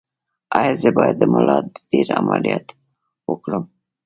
ایا زه باید د ملا د تیر عملیات وکړم؟